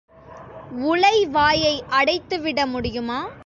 உலை வாயை அடைத்துவிட முடியுமா?